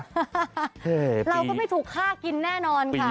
เราก็ไม่ถูกฆ่ากินแน่นอนค่ะ